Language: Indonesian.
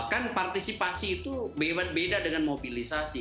kan partisipasi itu beda beda dengan mobilisasi